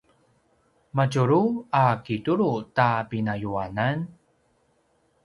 madjulu a kitulu ta pinayuanan?